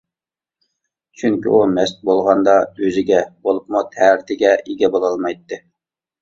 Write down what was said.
چۈنكى ئۇ مەست بولغاندا ئۆزىگە، بولۇپمۇ تەرىتىگە ئىگە بولالمايتتى.